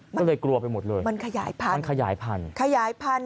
มันเลยกลัวไปหมดเลยมันขยายพันธุมันขยายพันธุ์ขยายพันธุ